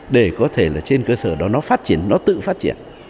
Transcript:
để có thể là trên cơ sở đó nó phát triển nó tự phát triển